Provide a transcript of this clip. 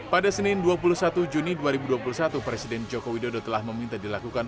pada senin dua puluh satu juni dua ribu dua puluh satu presiden joko widodo telah meminta dilakukan